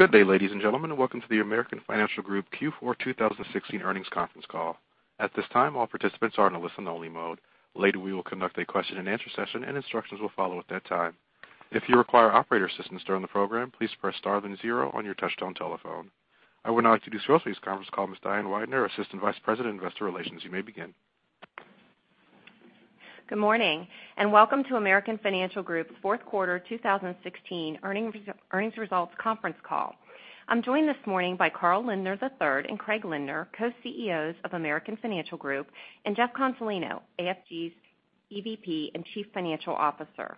Good day, ladies and gentlemen. Welcome to the American Financial Group Q4 2016 earnings conference call. At this time, all participants are in a listen only mode. Later, we will conduct a question and answer session, and instructions will follow at that time. If you require operator assistance during the program, please press star then zero on your touchtone telephone. I would now like to introduce this conference call, Ms. Diane Weidner, Assistant Vice President, Investor Relations. You may begin. Good morning. Welcome to American Financial Group's fourth quarter 2016 earnings results conference call. I'm joined this morning by Carl Lindner III and Craig Lindner, Co-CEOs of American Financial Group, and Jeff Consolino, AFG's EVP and Chief Financial Officer.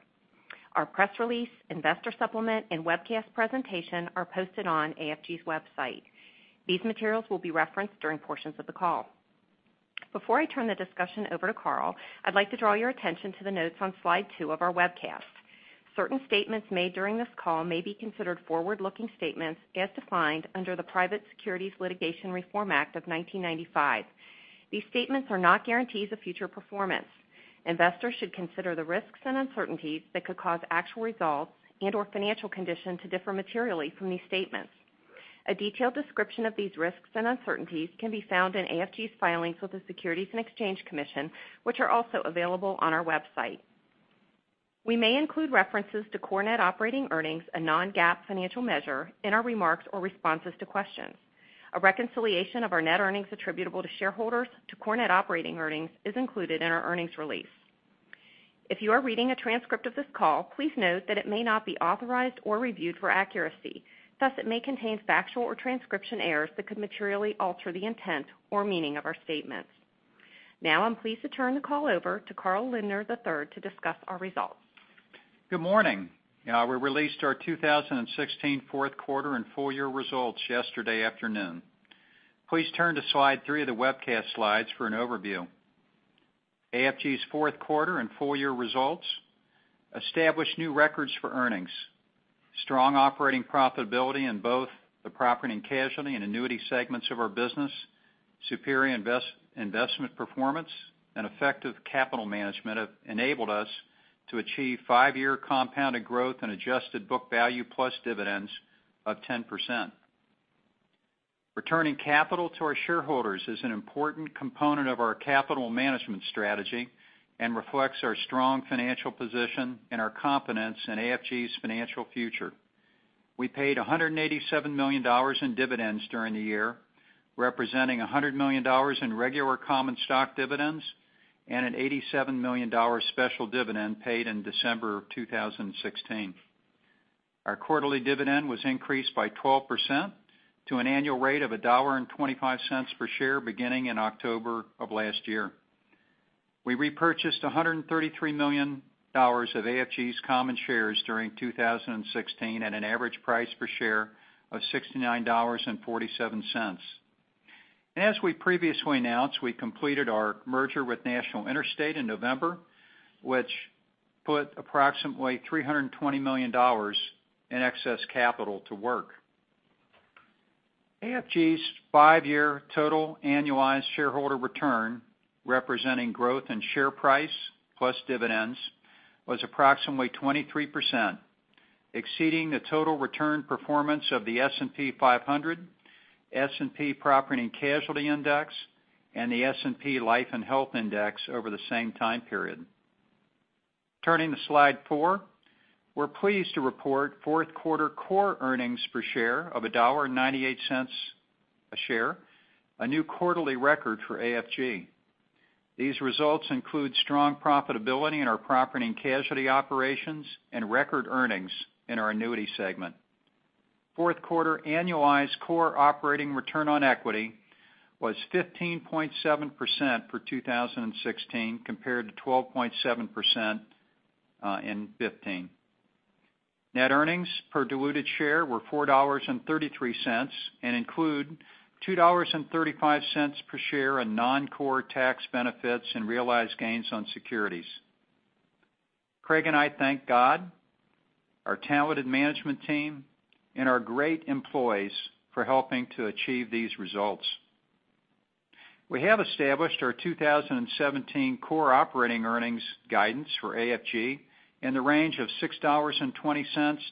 Our press release, investor supplement, and webcast presentation are posted on AFG's website. These materials will be referenced during portions of the call. Before I turn the discussion over to Carl, I'd like to draw your attention to the notes on slide two of our webcast. Certain statements made during this call may be considered forward-looking statements as defined under the Private Securities Litigation Reform Act of 1995. These statements are not guarantees of future performance. Investors should consider the risks and uncertainties that could cause actual results and/or financial condition to differ materially from these statements. A detailed description of these risks and uncertainties can be found in AFG's filings with the Securities and Exchange Commission, which are also available on our website. We may include references to core net operating earnings, a non-GAAP financial measure, in our remarks or responses to questions. A reconciliation of our net earnings attributable to shareholders to core net operating earnings is included in our earnings release. If you are reading a transcript of this call, please note that it may not be authorized or reviewed for accuracy. Thus, it may contain factual or transcription errors that could materially alter the intent or meaning of our statements. I'm pleased to turn the call over to Carl Lindner III to discuss our results. Good morning. We released our 2016 fourth quarter and full year results yesterday afternoon. Please turn to slide three of the webcast slides for an overview. AFG's fourth quarter and full year results established new records for earnings. Strong operating profitability in both the property and casualty and annuity segments of our business, superior investment performance, and effective capital management enabled us to achieve five-year compounded growth in adjusted book value plus dividends of 10%. Returning capital to our shareholders is an important component of our capital management strategy and reflects our strong financial position and our confidence in AFG's financial future. We paid $187 million in dividends during the year, representing $100 million in regular common stock dividends and an $87 million special dividend paid in December of 2016. Our quarterly dividend was increased by 12% to an annual rate of $1.25 per share beginning in October of last year. We repurchased $133 million of AFG's common shares during 2016 at an average price per share of $69.47. As we previously announced, we completed our merger with National Interstate in November, which put approximately $320 million in excess capital to work. AFG's five-year total annualized shareholder return, representing growth in share price plus dividends, was approximately 23%, exceeding the total return performance of the S&P 500, S&P Property and Casualty Index, and the S&P Life and Health Index over the same time period. Turning to slide four, we're pleased to report fourth quarter core earnings per share of $1.98 a share, a new quarterly record for AFG. These results include strong profitability in our property and casualty operations and record earnings in our annuity segment. Fourth quarter annualized core operating return on equity was 15.7% for 2016, compared to 12.7% in 2015. Net earnings per diluted share were $4.33 and include $2.35 per share in non-core tax benefits and realized gains on securities. Craig and I thank God, our talented management team, and our great employees for helping to achieve these results. We have established our 2017 core operating earnings guidance for AFG in the range of $6.20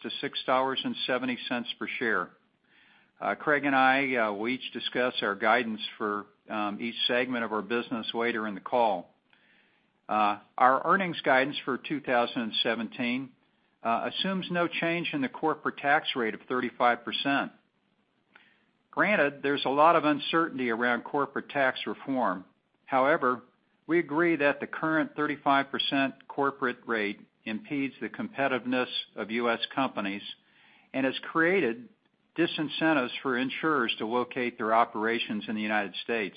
to $6.70 per share. Craig and I will each discuss our guidance for each segment of our business later in the call. Our earnings guidance for 2017 assumes no change in the corporate tax rate of 35%. Granted, there's a lot of uncertainty around corporate tax reform. However, we agree that the current 35% corporate rate impedes the competitiveness of U.S. companies and has created disincentives for insurers to locate their operations in the United States.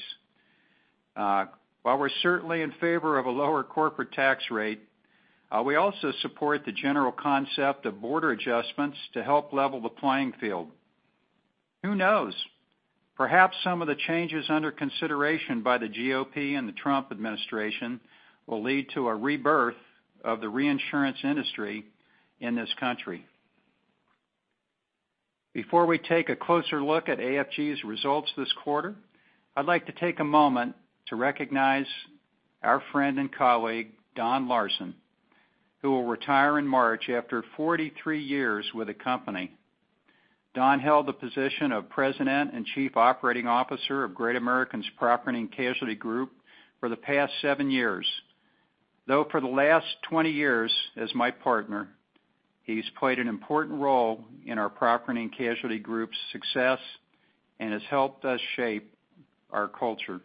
While we're certainly in favor of a lower corporate tax rate, we also support the general concept of border adjustments to help level the playing field. Who knows? Perhaps some of the changes under consideration by the GOP and the Trump administration will lead to a rebirth of the reinsurance industry in this country. Before we take a closer look at AFG's results this quarter, I'd like to take a moment to recognize our friend and colleague, Don Larson who will retire in March after 43 years with the company. Don held the position of President and Chief Operating Officer of Great American's Property and Casualty Group for the past seven years. Though for the last 20 years, as my partner, he's played an important role in our Property and Casualty Group's success and has helped us shape our culture.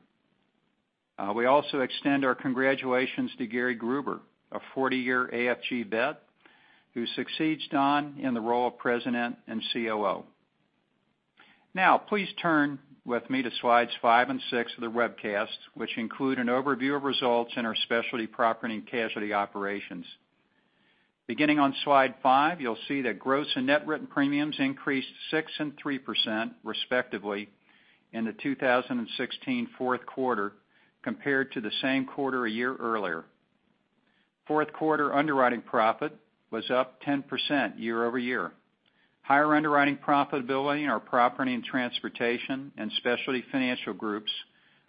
We also extend our congratulations to Gary Gruber, a 40-year AFG vet, who succeeds Don in the role of President and COO. Now, please turn with me to slides five and six of the webcast, which include an overview of results in our Specialty Property and Casualty operations. Beginning on slide five, you'll see that gross and net written premiums increased 6% and 3% respectively in the 2016 fourth quarter compared to the same quarter a year earlier. Fourth quarter underwriting profit was up 10% year-over-year. Higher underwriting profitability in our Property and Transportation and Specialty Financial groups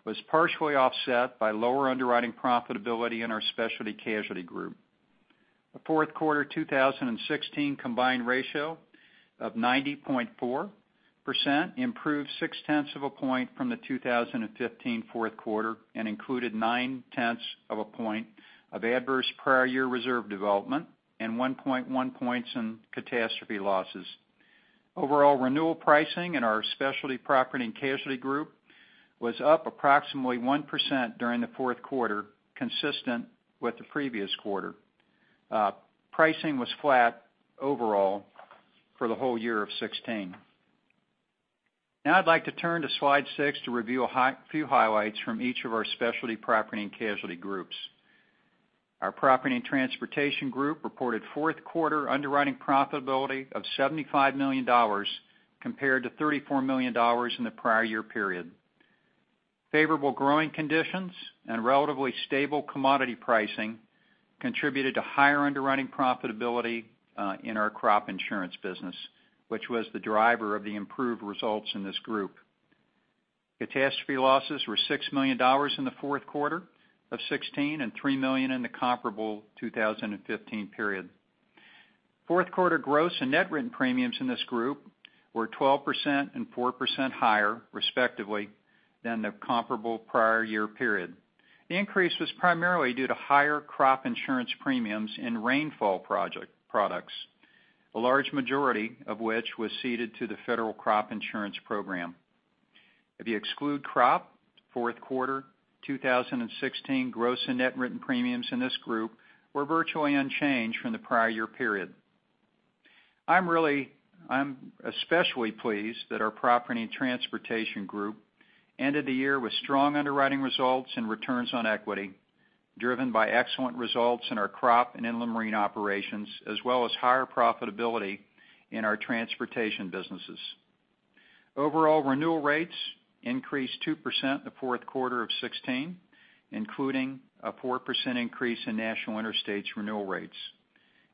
was partially offset by lower underwriting profitability in our Specialty Casualty Group. The fourth quarter 2016 combined ratio of 90.4% improved six tenths of a point from the 2015 fourth quarter and included nine tenths of a point of adverse prior year reserve development and 1.1 points in catastrophe losses. Overall renewal pricing in our Specialty Property and Casualty Group was up approximately 1% during the fourth quarter, consistent with the previous quarter. Pricing was flat overall for the whole year of 2016. I'd like to turn to slide six to review a few highlights from each of our Specialty Property and Casualty groups. Our Property and Transportation Group reported fourth quarter underwriting profitability of $75 million compared to $34 million in the prior year period. Favorable growing conditions and relatively stable commodity pricing contributed to higher underwriting profitability in our crop insurance business, which was the driver of the improved results in this group. Catastrophe losses were $6 million in the fourth quarter of 2016 and $3 million in the comparable 2015 period. Fourth quarter gross and net written premiums in this group were 12% and 4% higher, respectively, than the comparable prior year period. The increase was primarily due to higher crop insurance premiums in Rainfall Index products, a large majority of which was ceded to the Federal Crop Insurance Program. If you exclude crop, fourth quarter 2016 gross and net written premiums in this group were virtually unchanged from the prior year period. I'm especially pleased that our Property and Transportation Group ended the year with strong underwriting results and returns on equity, driven by excellent results in our crop and inland marine operations, as well as higher profitability in our transportation businesses. Overall renewal rates increased 2% in the fourth quarter of 2016, including a 4% increase in National Interstate's renewal rates.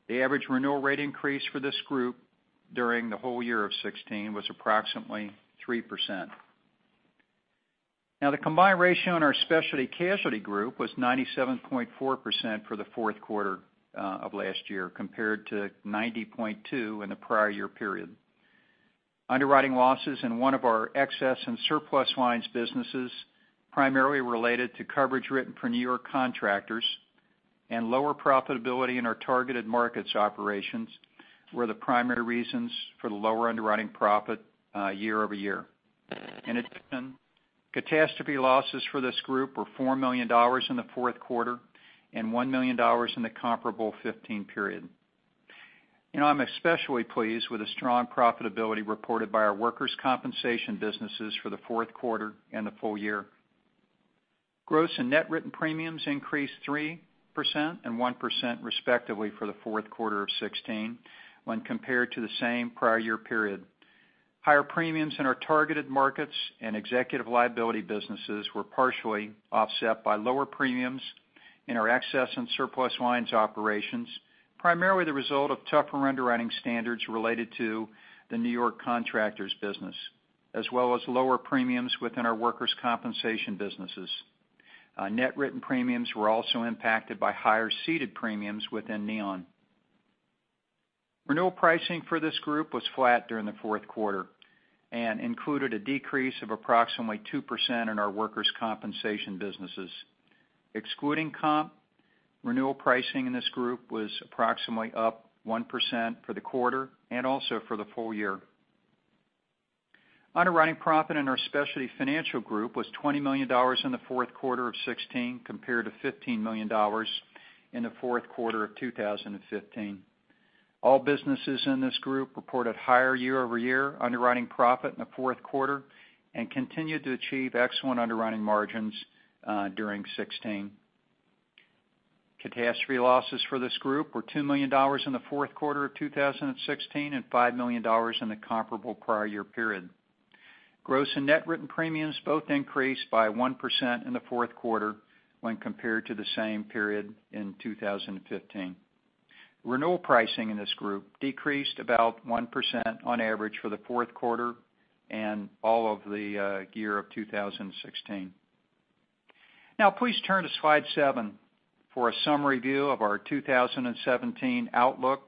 The average renewal rate increase for this group during the whole year of 2016 was approximately 3%. The combined ratio in our Specialty Casualty Group was 97.4% for the fourth quarter of last year compared to 90.2% in the prior year period. Underwriting losses in one of our excess and surplus lines businesses, primarily related to coverage written for N.Y. contractors and lower profitability in our Targeted Markets operations, were the primary reasons for the lower underwriting profit year-over-year. In addition, catastrophe losses for this group were $4 million in the fourth quarter and $1 million in the comparable 2015 period. I'm especially pleased with the strong profitability reported by our workers' compensation businesses for the fourth quarter and the full year. Gross and net written premiums increased 3% and 1% respectively for the fourth quarter of 2016 when compared to the same prior year period. Higher premiums in our Targeted Markets and executive liability businesses were partially offset by lower premiums in our excess and surplus lines operations, primarily the result of tougher underwriting standards related to the N.Y. contractors business, as well as lower premiums within our workers' compensation businesses. Net written premiums were also impacted by higher ceded premiums within Neon. Renewal pricing for this group was flat during the fourth quarter and included a decrease of approximately 2% in our workers' compensation businesses. Excluding comp, renewal pricing in this group was approximately up 1% for the quarter and also for the full year. Underwriting profit in our Specialty Financial Group was $20 million in the fourth quarter of 2016 compared to $15 million in the fourth quarter of 2015. All businesses in this group reported higher year-over-year underwriting profit in the fourth quarter and continued to achieve excellent underwriting margins during 2016. Catastrophe losses for this group were $2 million in the fourth quarter of 2016 and $5 million in the comparable prior year period. Gross and net written premiums both increased by 1% in the fourth quarter when compared to the same period in 2015. Renewal pricing in this group decreased about 1% on average for the fourth quarter and all of the year of 2016. Please turn to slide seven for a summary view of our 2017 outlook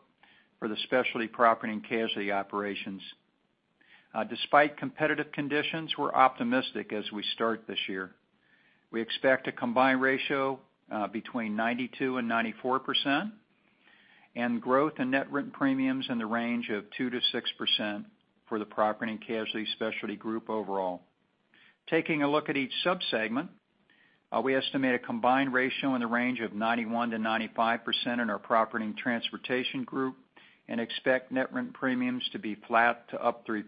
for the Specialty Property & Casualty operations. Despite competitive conditions, we're optimistic as we start this year. We expect a combined ratio between 92%-94%, and growth in net written premiums in the range of 2%-6% for the Property & Casualty Specialty group overall. Taking a look at each sub-segment, we estimate a combined ratio in the range of 91%-95% in our Property and Transportation group and expect net written premiums to be flat to up 3%.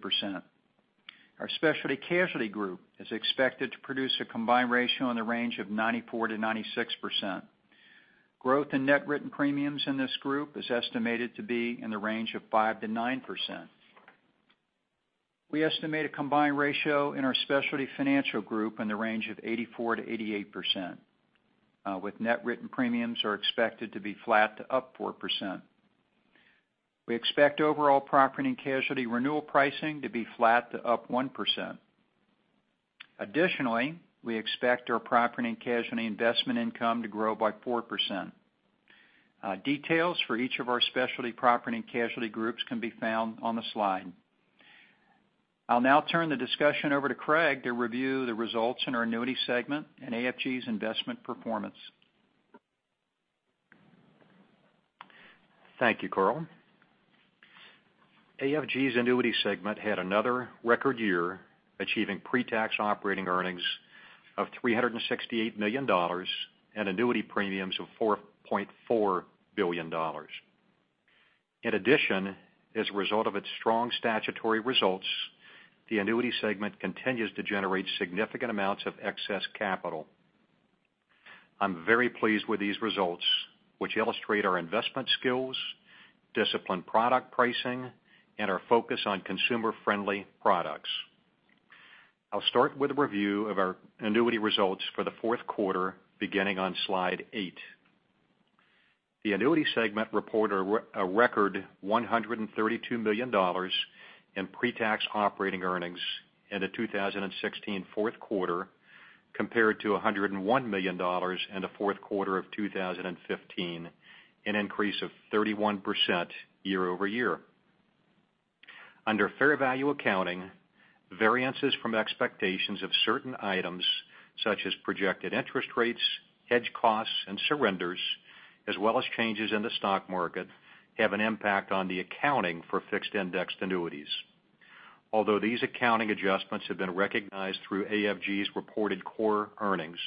Our Specialty Casualty group is expected to produce a combined ratio in the range of 94%-96%. Growth in net written premiums in this group is estimated to be in the range of 5%-9%. We estimate a combined ratio in our Specialty Financial group in the range of 84%-88%, with net written premiums are expected to be flat to up 4%. We expect overall Property and Casualty renewal pricing to be flat to up 1%. Additionally, we expect our Property and Casualty investment income to grow by 4%. Details for each of our Specialty Property and Casualty groups can be found on the slide. I'll turn the discussion over to Craig to review the results in our Annuity segment and AFG's investment performance. Thank you, Carl. AFG's Annuity segment had another record year, achieving pre-tax operating earnings of $368 million and annuity premiums of $4.4 billion. In addition, as a result of its strong statutory results, the Annuity segment continues to generate significant amounts of excess capital. I'm very pleased with these results, which illustrate our investment skills, disciplined product pricing, and our focus on consumer-friendly products. I'll start with a review of our Annuity results for the fourth quarter, beginning on slide eight. The Annuity segment reported a record $132 million in pre-tax operating earnings in the 2016 fourth quarter, compared to $101 million in the fourth quarter of 2015, an increase of 31% year-over-year. Under fair value accounting, variances from expectations of certain items such as projected interest rates, hedge costs, and surrenders, as well as changes in the stock market, have an impact on the accounting for fixed-indexed annuities. Although these accounting adjustments have been recognized through AFG's reported core earnings,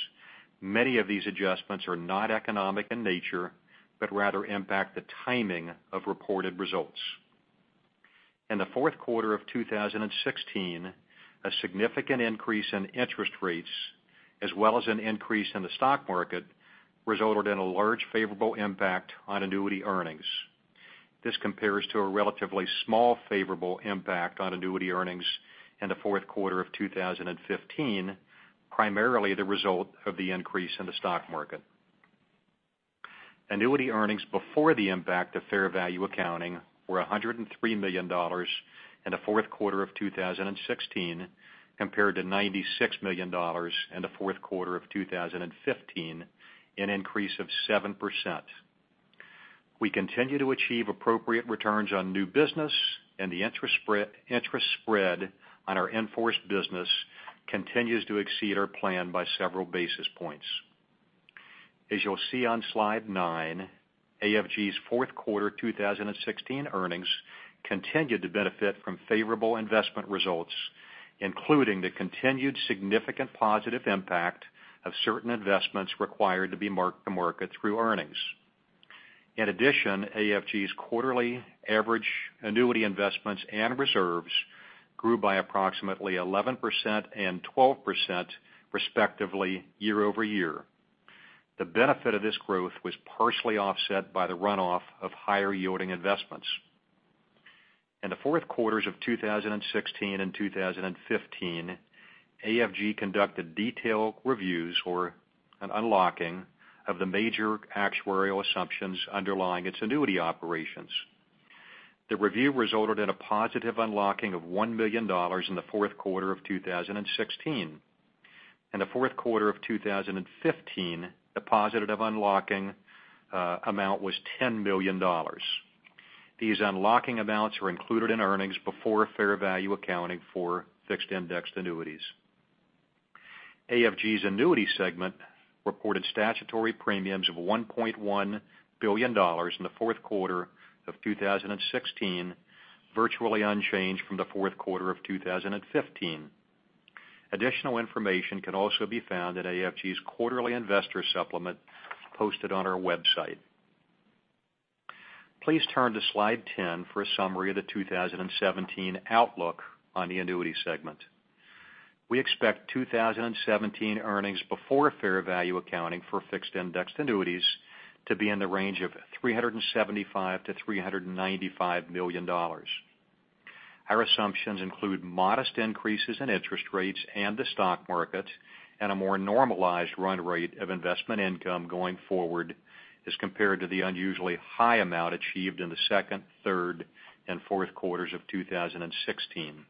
many of these adjustments are not economic in nature, but rather impact the timing of reported results. In the fourth quarter of 2016, a significant increase in interest rates, as well as an increase in the stock market, resulted in a large favorable impact on annuity earnings. This compares to a relatively small favorable impact on annuity earnings in the fourth quarter of 2015, primarily the result of the increase in the stock market. Annuity earnings before the impact of fair value accounting were $103 million in the fourth quarter of 2016, compared to $96 million in the fourth quarter of 2015, an increase of 7%. The interest spread on our in-force business continues to exceed our plan by several basis points. As you'll see on slide nine, AFG's fourth quarter 2016 earnings continued to benefit from favorable investment results, including the continued significant positive impact of certain investments required to be marked to market through earnings. AFG's quarterly average annuity investments and reserves grew by approximately 11% and 12%, respectively, year-over-year. The benefit of this growth was partially offset by the runoff of higher-yielding investments. In the fourth quarters of 2016 and 2015, AFG conducted detailed reviews or an unlocking of the major actuarial assumptions underlying its annuity operations. The review resulted in a positive unlocking of $1 million in the fourth quarter of 2016. The fourth quarter of 2015, the positive unlocking amount was $10 million. These unlocking amounts were included in earnings before fair value accounting for fixed-indexed annuities. AFG's Annuity segment reported statutory premiums of $1.1 billion in the fourth quarter of 2016, virtually unchanged from the fourth quarter of 2015. Additional information can also be found in AFG's quarterly investor supplement posted on our website. Please turn to slide 10 for a summary of the 2017 outlook on the Annuity segment. We expect 2017 earnings before fair value accounting for fixed-indexed annuities to be in the range of $375 million-$395 million. Our assumptions include modest increases in interest rates and the stock market, a more normalized run rate of investment income going forward as compared to the unusually high amount achieved in the second, third, and fourth quarters of 2016.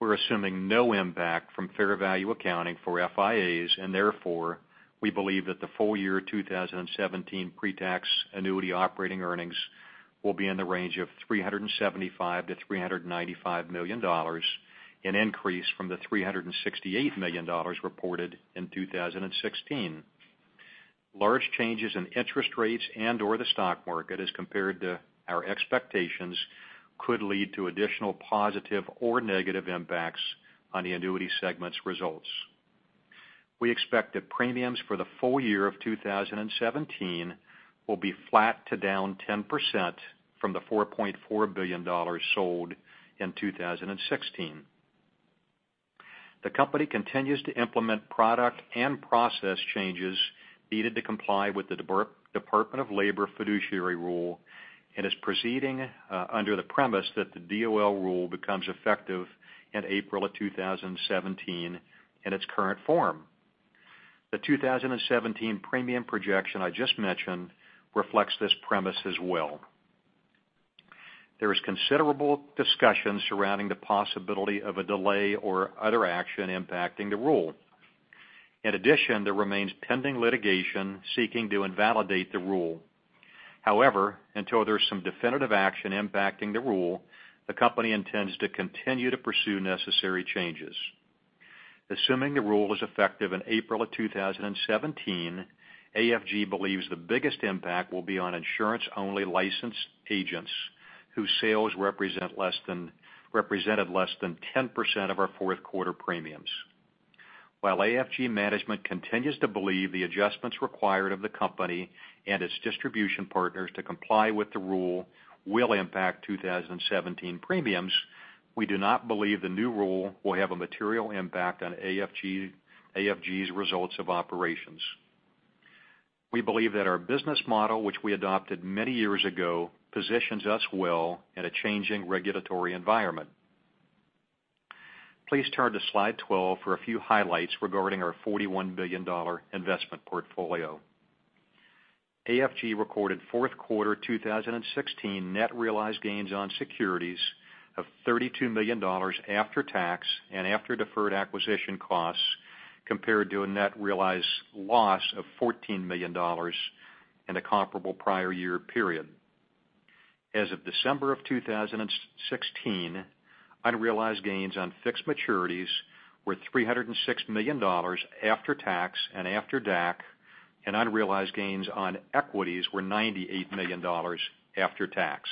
We're assuming no impact from fair value accounting for FIAs. Therefore, we believe that the full year 2017 pre-tax annuity operating earnings will be in the range of $375 million-$395 million, an increase from the $368 million reported in 2016. Large changes in interest rates and/or the stock market as compared to our expectations could lead to additional positive or negative impacts on the annuity segment's results. We expect that premiums for the full year of 2017 will be flat to down 10% from the $4.4 billion sold in 2016. The company continues to implement product and process changes needed to comply with the Department of Labor fiduciary rule, and is proceeding under the premise that the DOL rule becomes effective in April of 2017 in its current form. The 2017 premium projection I just mentioned reflects this premise as well. There is considerable discussion surrounding the possibility of a delay or other action impacting the rule. In addition, there remains pending litigation seeking to invalidate the rule. However, until there's some definitive action impacting the rule, the company intends to continue to pursue necessary changes. Assuming the rule is effective in April of 2017, AFG believes the biggest impact will be on insurance-only licensed agents whose sales represented less than 10% of our fourth quarter premiums. While AFG management continues to believe the adjustments required of the company and its distribution partners to comply with the rule will impact 2017 premiums, we do not believe the new rule will have a material impact on AFG's results of operations. Please turn to slide 12 for a few highlights regarding our $41 billion investment portfolio. AFG recorded fourth quarter 2016 net realized gains on securities of $32 million after tax and after deferred acquisition costs, compared to a net realized loss of $14 million in the comparable prior year period. As of December of 2016, unrealized gains on fixed maturities were $306 million after tax and after DAC, and unrealized gains on equities were $98 million after tax.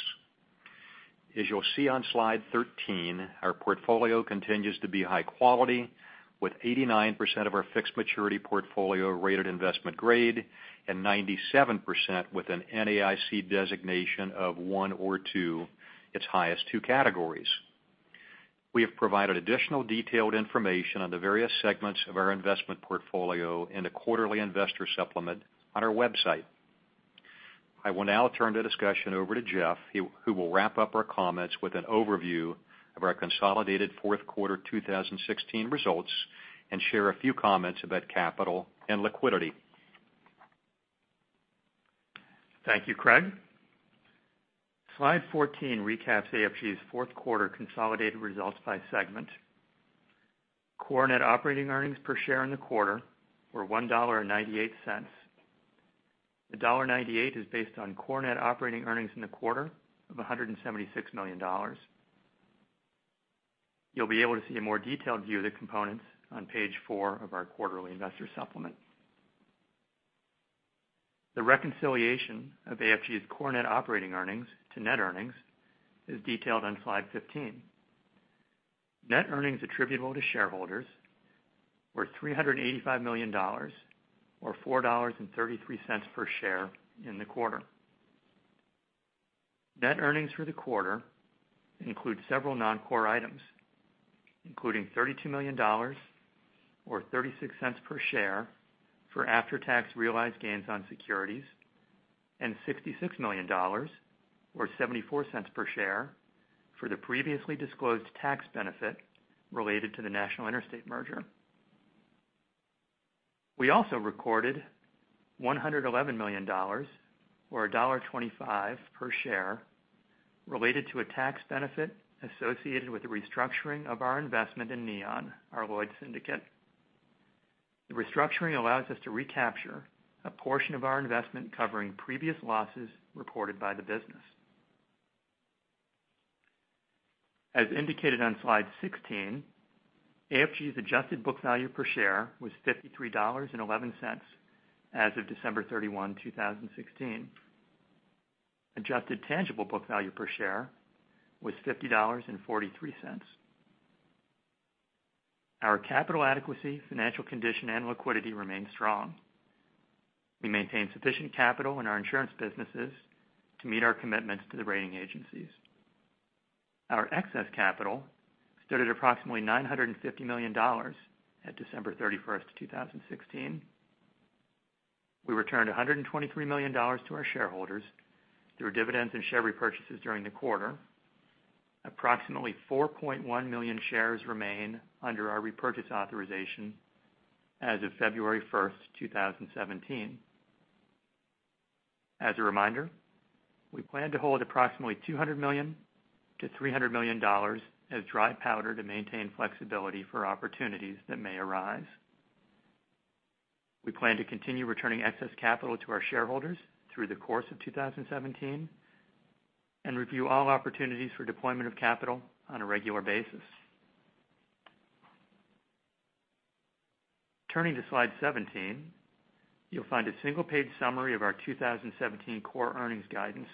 As you'll see on slide 13, our portfolio continues to be high quality, with 89% of our fixed maturity portfolio rated investment-grade, and 97% with an NAIC designation of 1 or 2, its highest two categories. We have provided additional detailed information on the various segments of our investment portfolio in the quarterly investor supplement on our website. I will now turn the discussion over to Jeff, who will wrap up our comments with an overview of our consolidated fourth quarter 2016 results and share a few comments about capital and liquidity. Thank you, Craig. Slide 14 recaps AFG's fourth quarter consolidated results by segment. Core net operating earnings per share in the quarter were $1.98. The $1.98 is based on core net operating earnings in the quarter of $176 million. You'll be able to see a more detailed view of the components on page four of our quarterly investor supplement. The reconciliation of AFG's core net operating earnings to net earnings is detailed on slide 15. Net earnings attributable to shareholders were $385 million, or $4.33 per share in the quarter. Net earnings for the quarter include several non-core items, including $32 million, or $0.36 per share for after-tax realized gains on securities, and $66 million, or $0.74 per share for the previously disclosed tax benefit related to the National Interstate merger. We also recorded $111 million, or $1.25 per share, related to a tax benefit associated with the restructuring of our investment in Neon, our Lloyd's syndicate. The restructuring allows us to recapture a portion of our investment covering previous losses reported by the business. As indicated on slide 16, AFG's adjusted book value per share was $53.11 as of December 31, 2016. Adjusted tangible book value per share was $50.43. Our capital adequacy, financial condition, and liquidity remain strong. We maintain sufficient capital in our insurance businesses to meet our commitments to the rating agencies. Our excess capital stood at approximately $950 million at December 31st, 2016. We returned $123 million to our shareholders through dividends and share repurchases during the quarter. Approximately 4.1 million shares remain under our repurchase authorization as of February 1st, 2017. As a reminder, we plan to hold approximately $200 million to $300 million as dry powder to maintain flexibility for opportunities that may arise. We plan to continue returning excess capital to our shareholders through the course of 2017 and review all opportunities for deployment of capital on a regular basis. Turning to slide 17, you'll find a single-page summary of our 2017 core earnings guidance.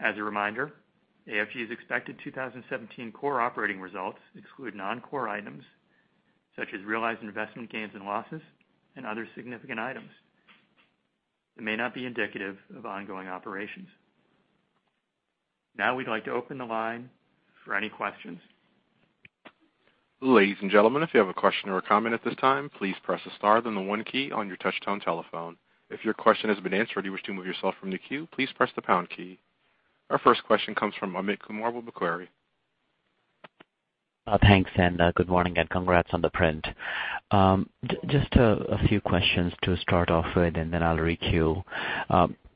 As a reminder, AFG's expected 2017 core operating results exclude non-core items such as realized investment gains and losses and other significant items that may not be indicative of ongoing operations. Now we'd like to open the line for any questions. Ladies and gentlemen, if you have a question or a comment at this time, please press the star then the one key on your touch-tone telephone. If your question has been answered or you wish to remove yourself from the queue, please press the pound key. Our first question comes from Amit Kumar with Macquarie. Thanks, good morning, and congrats on the print. Just a few questions to start off with, then I'll requeue.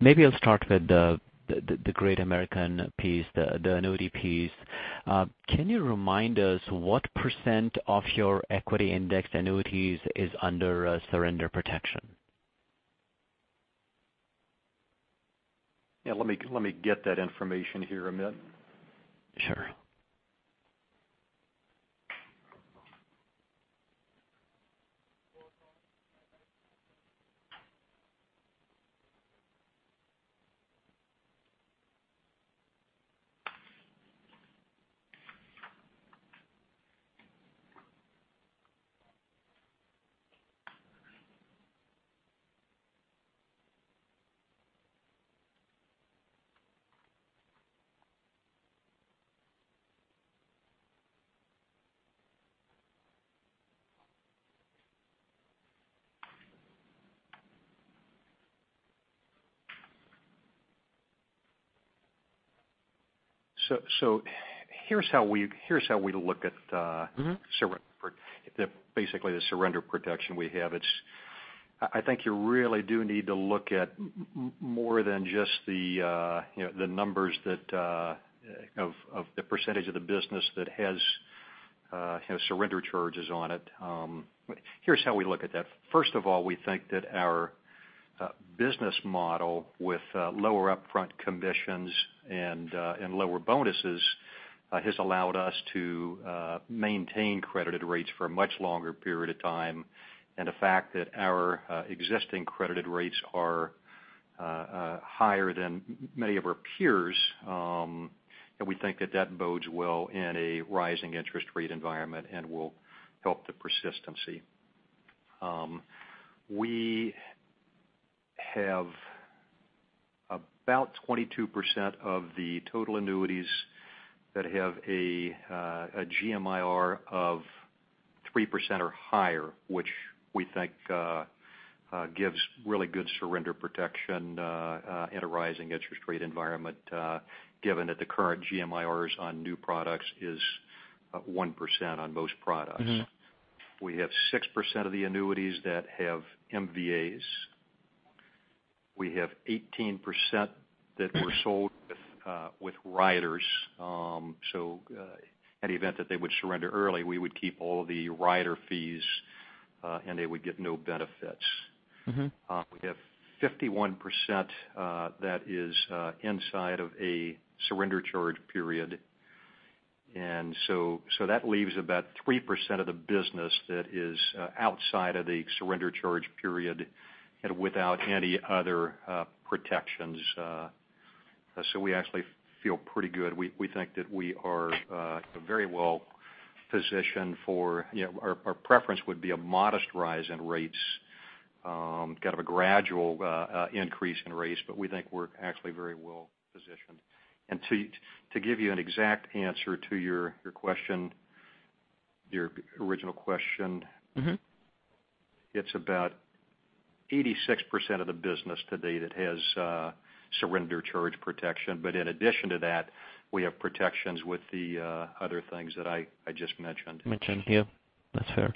Maybe I'll start with the Great American piece, the annuity piece. Can you remind us what % of your equity-indexed annuities is under surrender protection? Yeah, let me get that information here, Amit. Sure. Here's how we look at. Basically the surrender protection we have. I think you really do need to look at more than just the numbers of the percentage of the business that has surrender charges on it. Here's how we look at that. First of all, we think that our business model with lower upfront commissions and lower bonuses has allowed us to maintain credited rates for a much longer period of time. The fact that our existing credited rates are higher than many of our peers, and we think that that bodes well in a rising interest rate environment and will help the persistency. We have about 22% of the total annuities that have a GMIR of 3% or higher, which we think gives really good surrender protection in a rising interest rate environment, given that the current GMIRs on new products is 1% on most products. We have 6% of the annuities that have MVAs. We have 18% that were sold with riders. In the event that they would surrender early, we would keep all of the rider fees, and they would get no benefits. We have 51% that is inside of a surrender charge period. That leaves about 3% of the business that is outside of the surrender charge period and without any other protections. We actually feel pretty good. We think that we are very well-positioned for our preference would be a modest rise in rates, kind of a gradual increase in rates, but we think we're actually very well-positioned. To give you an exact answer to your question, your original question- it's about 86% of the business today that has surrender charge protection. In addition to that, we have protections with the other things that I just mentioned. Mentioned, yeah. That's fair.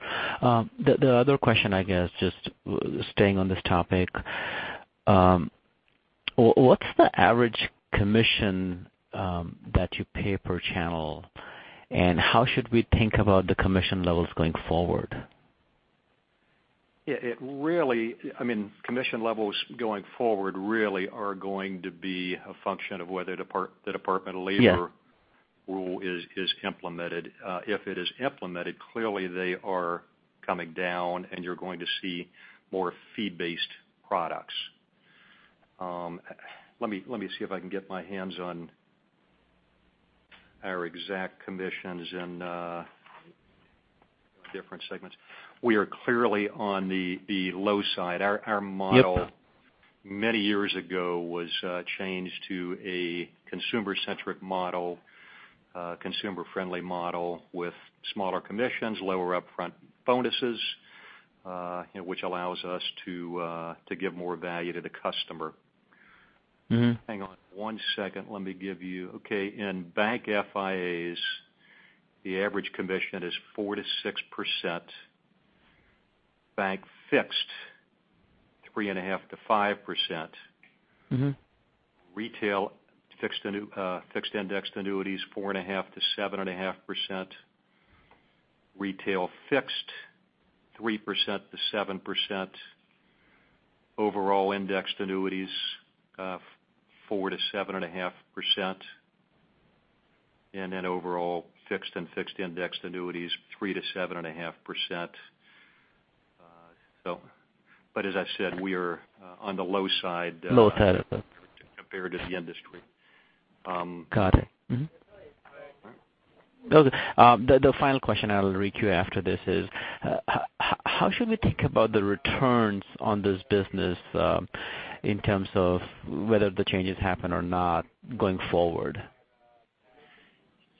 The other question, I guess, just staying on this topic. What's the average commission that you pay per channel, and how should we think about the commission levels going forward? I mean, commission levels going forward really are going to be a function of whether the Department of Labor- Yeah DOL rule is implemented. If it is implemented, clearly they are coming down, and you're going to see more fee-based products. Let me see if I can get my hands on our exact commissions in different segments. We are clearly on the low side. Yep. Our model many years ago was changed to a consumer-centric model, consumer-friendly model with smaller commissions, lower upfront bonuses which allows us to give more value to the customer. Hang on one second. Let me give you. Okay. In bank FIAs, the average commission is 4%-6%. Bank fixed, 3.5%-5%. Retail fixed-indexed annuities, 4.5%-7.5%. Retail fixed, 3%-7%. Overall indexed annuities, 4%-7.5%. Overall fixed and fixed-indexed annuities, 3%-7.5%. As I said, we are on the low side. Low side. compared to the industry. Got it. Mm-hmm. All right. The final question I will re-queue after this is, how should we think about the returns on this business in terms of whether the changes happen or not going forward?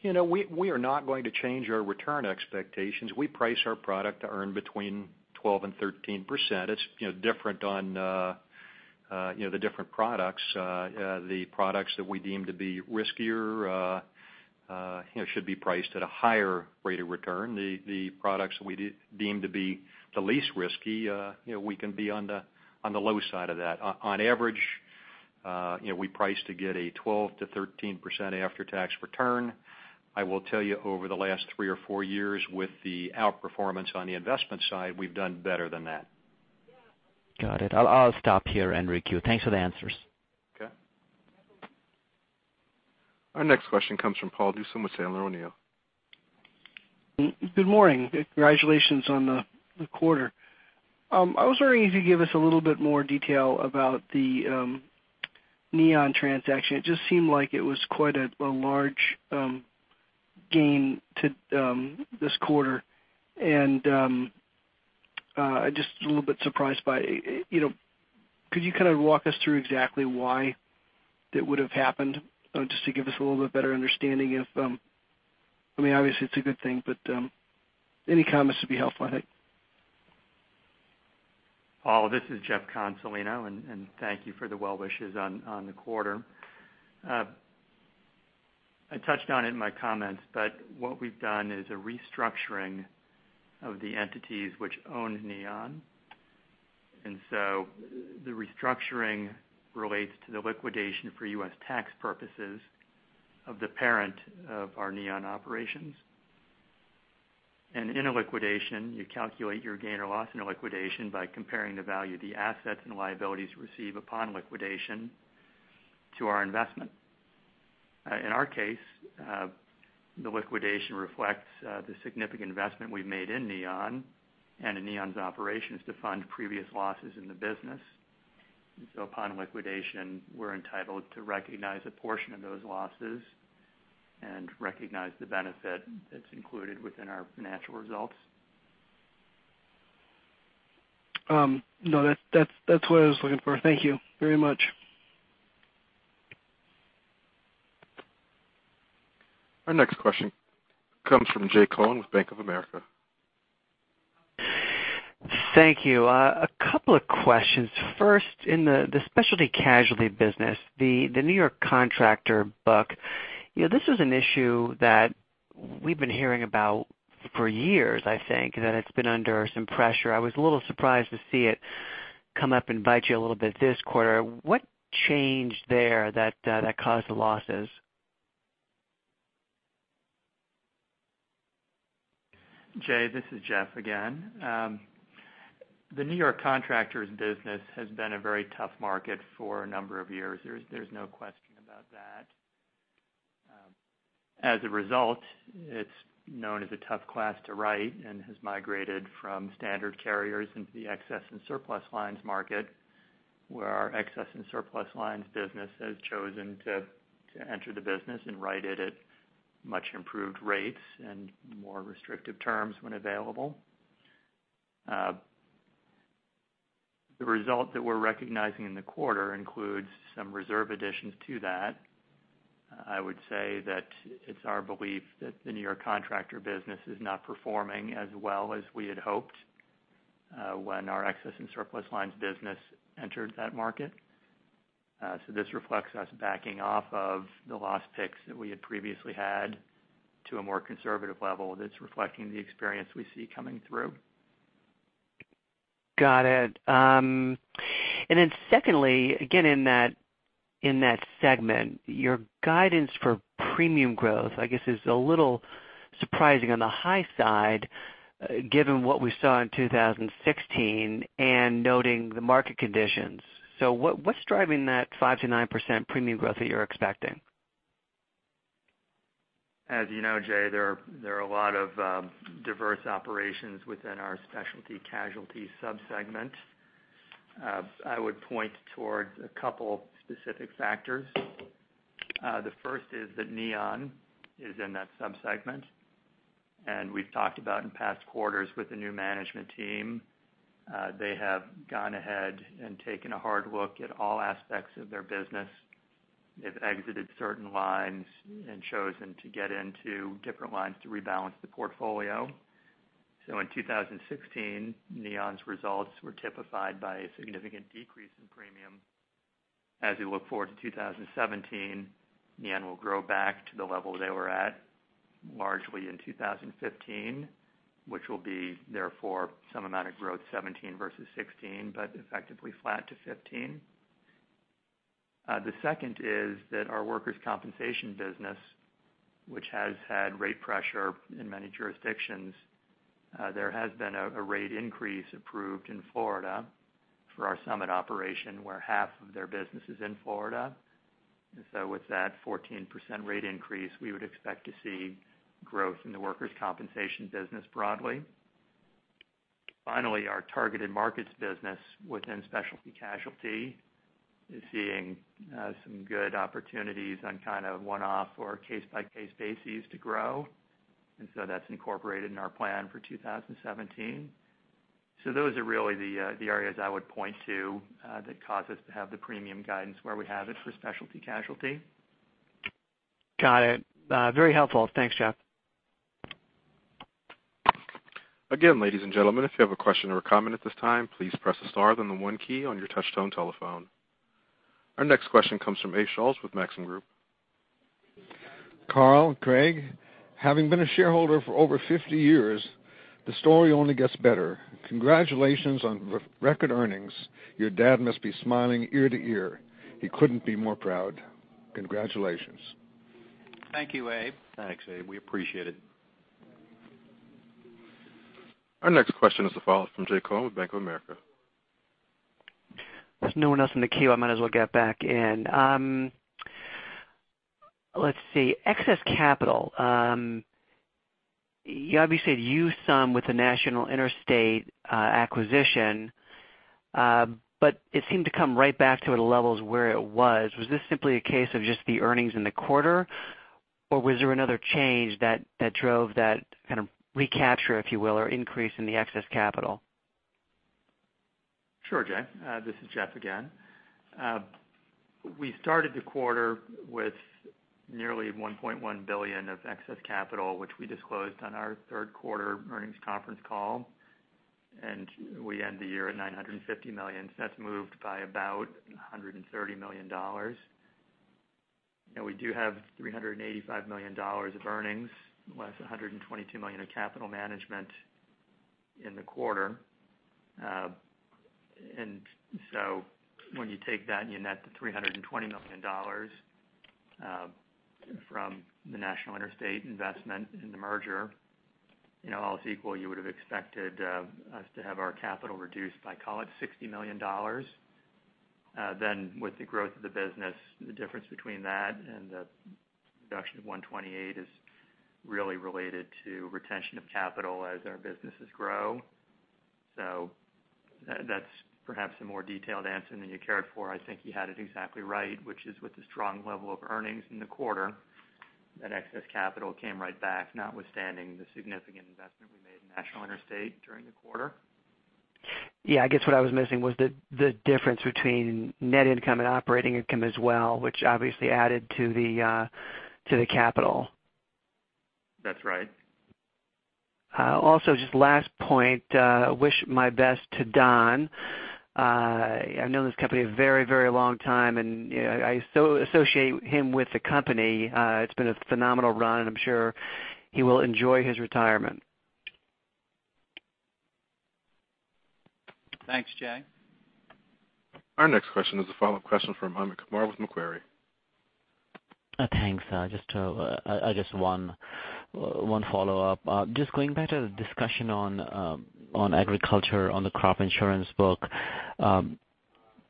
We are not going to change our return expectations. We price our product to earn between 12% and 13%. It's different on the different products. The products that we deem to be riskier should be priced at a higher rate of return. The products we deem to be the least risky, we can be on the low side of that. On average, we price to get a 12% to 13% after-tax return. I will tell you, over the last three or four years with the outperformance on the investment side, we've done better than that. Got it. I'll stop here, Enrique. Thanks for the answers. Okay. Our next question comes from Paul Newsome with Sandler O'Neill. Good morning. Congratulations on the quarter. I was wondering if you could give us a little bit more detail about the Neon transaction. It just seemed like it was quite a large gain this quarter, and I'm just a little bit surprised by it. Could you kind of walk us through exactly why that would have happened, just to give us a little bit better understanding. Obviously it's a good thing, but any comments would be helpful, I think. Paul, this is Jeff Consolino, thank you for the well wishes on the quarter. I touched on it in my comments, what we've done is a restructuring of the entities which own Neon. The restructuring relates to the liquidation for U.S. tax purposes of the parent of our Neon operations. In a liquidation, you calculate your gain or loss in a liquidation by comparing the value of the assets and liabilities received upon liquidation to our investment. In our case, the liquidation reflects the significant investment we've made in Neon and in Neon's operations to fund previous losses in the business. Upon liquidation, we're entitled to recognize a portion of those losses and recognize the benefit that's included within our financial results. No, that's what I was looking for. Thank you very much. Our next question comes from Jay Cohen with Bank of America. Thank you. A couple of questions. First, in the Specialty Casualty business, the New York contractor book, this was an issue that we've been hearing about for years, I think, that it's been under some pressure. I was a little surprised to see it come up and bite you a little bit this quarter. What changed there that caused the losses? Jay, this is Jeff again. The N.Y. contractors business has been a very tough market for a number of years. There is no question about that. As a result, it is known as a tough class to write and has migrated from standard carriers into the excess and surplus lines market, where our excess and surplus lines business has chosen to enter the business and write it at much improved rates and more restrictive terms when available. The result that we are recognizing in the quarter includes some reserve additions to that. I would say that it is our belief that the N.Y. contractor business is not performing as well as we had hoped when our excess and surplus lines business entered that market. This reflects us backing off of the loss picks that we had previously had to a more conservative level that is reflecting the experience we see coming through. Got it. Secondly, again, in that segment, your guidance for premium growth, I guess, is a little surprising on the high side, given what we saw in 2016 and noting the market conditions. What is driving that 5%-9% premium growth that you are expecting? As you know, Jay, there are a lot of diverse operations within our Specialty Casualty sub-segment. I would point toward a couple specific factors. The first is that Neon is in that sub-segment. We have talked about in past quarters with the new management team. They have gone ahead and taken a hard look at all aspects of their business. They have exited certain lines and chosen to get into different lines to rebalance the portfolio. In 2016, Neon's results were typified by a significant decrease in premium. As we look forward to 2017, Neon will grow back to the level they were at largely in 2015, which will be therefore some amount of growth 2017 versus 2016, but effectively flat to 2015. The second is that our workers' compensation business, which has had rate pressure in many jurisdictions, there has been a rate increase approved in Florida for our Summit operation where half of their business is in Florida. With that 14% rate increase, we would expect to see growth in the workers' compensation business broadly. Finally, our Targeted Markets business within Specialty Casualty is seeing some good opportunities on kind of one-off or case-by-case basis to grow, that is incorporated in our plan for 2017. Those are really the areas I would point to that cause us to have the premium guidance where we have it for Specialty Casualty. Got it. Very helpful. Thanks, Jeff. Again, ladies and gentlemen, if you have a question or a comment at this time, please press the star then the one key on your touch-tone telephone. Our next question comes from Abe Schloss with Maxim Group. Carl, Craig, having been a shareholder for over 50 years, the story only gets better. Congratulations on the record earnings. Your dad must be smiling ear to ear. He couldn't be more proud. Congratulations. Thank you, Abe. Thanks, Abe. We appreciate it. Our next question is the follow-up from Jay Cohen with Bank of America. There's no one else in the queue, I might as well get back in. Let's see. Excess capital. You obviously had used some with the National Interstate acquisition, but it seemed to come right back to the levels where it was. Was this simply a case of just the earnings in the quarter, or was there another change that drove that kind of recapture, if you will, or increase in the excess capital? Sure, Jay. This is Jeff again. We started the quarter with nearly $1.1 billion of excess capital, which we disclosed on our third quarter earnings conference call, and we end the year at $950 million. That's moved by about $130 million. Now, we do have $385 million of earnings less $122 million of capital management in the quarter. When you take that and you net the $320 million from the National Interstate investment in the merger, all is equal, you would've expected us to have our capital reduced by, call it $60 million. With the growth of the business, the difference between that and the reduction of $128 million is really related to retention of capital as our businesses grow. That's perhaps a more detailed answer than you cared for. I think you had it exactly right, which is with the strong level of earnings in the quarter, that excess capital came right back notwithstanding the significant investment we made in National Interstate during the quarter. Yeah, I guess what I was missing was the difference between net income and operating income as well, which obviously added to the capital. That's right. Just last point, wish my best to Don. I've known this company a very, very long time, and I associate him with the company. It's been a phenomenal run, and I'm sure he will enjoy his retirement. Thanks, Jay. Our next question is the follow-up question from Amit Kumar with Macquarie. Thanks. Just one follow-up. Just going back to the discussion on agriculture, on the crop insurance book.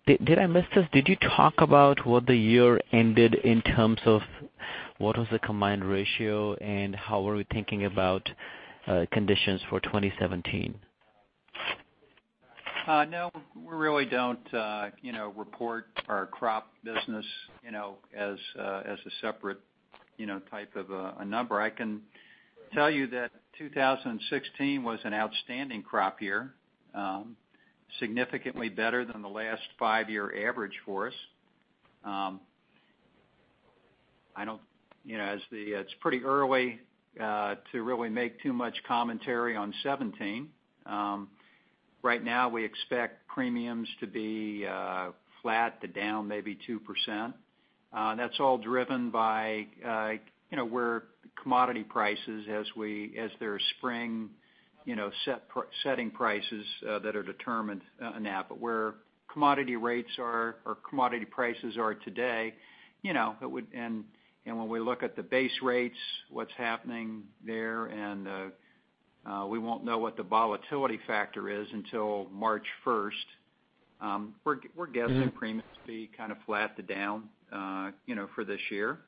Did I miss this? Did you talk about what the year ended in terms of what was the combined ratio, and how are we thinking about conditions for 2017? No. We really don't report our crop business as a separate type of a number. I can tell you that 2016 was an outstanding crop year, significantly better than the last five-year average for us. It's pretty early to really make too much commentary on 2017. Right now, we expect premiums to be flat to down maybe 2%. That's all driven by where commodity prices as their spring setting prices that are determined now. Where commodity rates are or commodity prices are today, and when we look at the base rates, what's happening there, and we won't know what the volatility factor is until March 1st. We're guessing premiums to be kind of flat to down for this year.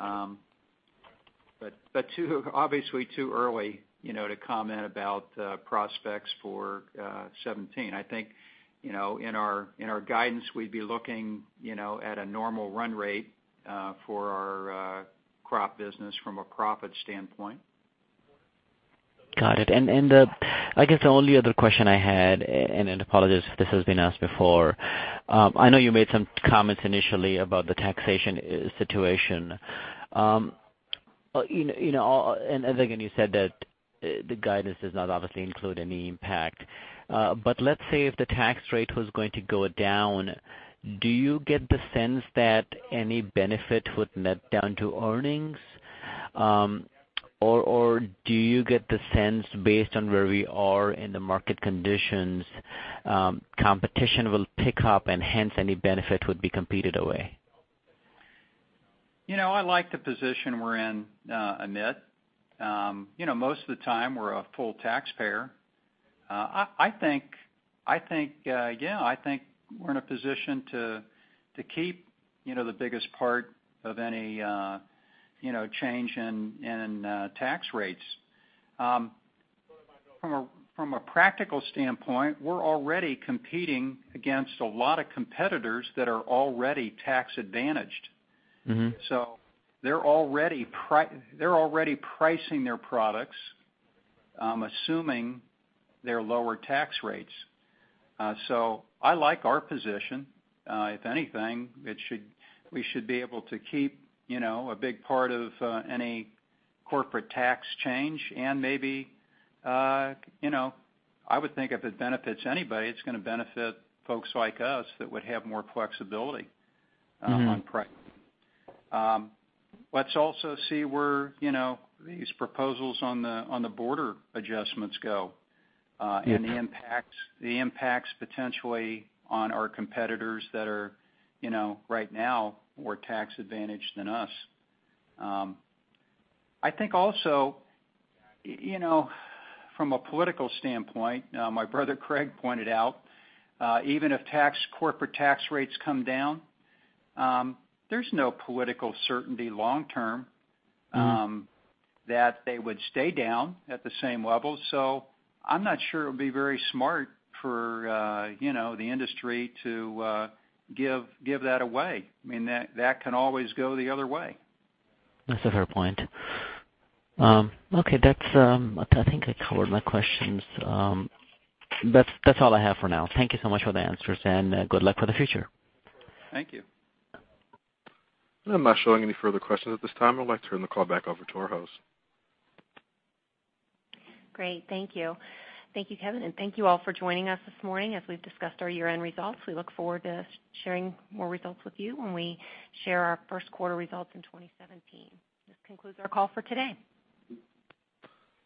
Obviously too early to comment about prospects for 2017. I think in our guidance, we'd be looking at a normal run rate for our crop business from a profit standpoint. Got it. I guess the only other question I had, apologies if this has been asked before I know you made some comments initially about the taxation situation. Again, you said that the guidance does not obviously include any impact. Let's say if the tax rate was going to go down, do you get the sense that any benefit would net down to earnings? Or do you get the sense, based on where we are in the market conditions, competition will pick up and hence any benefit would be competed away? I like the position we're in, Amit. Most of the time, we're a full taxpayer. I think we're in a position to keep the biggest part of any change in tax rates. From a practical standpoint, we're already competing against a lot of competitors that are already tax advantaged. They're already pricing their products, assuming their lower tax rates. I like our position. If anything, we should be able to keep a big part of any corporate tax change and maybe, I would think if it benefits anybody, it's going to benefit folks like us that would have more flexibility. on pricing. Let's also see where these proposals on the border adjustments go. Yeah The impacts potentially on our competitors that are right now, more tax advantaged than us. I think also, from a political standpoint, my brother Craig pointed out, even if corporate tax rates come down, there's no political certainty long-term. that they would stay down at the same level. I'm not sure it would be very smart for the industry to give that away. I mean, that can always go the other way. That's a fair point. Okay. I think I covered my questions. That's all I have for now. Thank you so much for the answers, and good luck for the future. Thank you. I'm not showing any further questions at this time. I'd like to turn the call back over to our host. Great. Thank you. Thank you, Kevin, and thank you all for joining us this morning as we've discussed our year-end results. We look forward to sharing more results with you when we share our first quarter results in 2017. This concludes our call for today.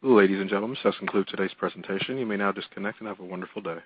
Ladies and gentlemen, this concludes today's presentation. You may now disconnect, and have a wonderful day.